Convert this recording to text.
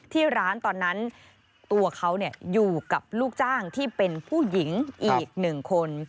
ที่ร้านตอนนั้นตัวเขาอยู่กับลูกจ้างที่เป็นผู้หญิงอีกหนึ่งคน